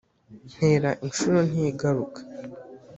ntera inshuro ntigaruka.